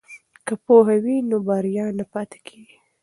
که پوهه وي نو بریا نه پاتې کیږي.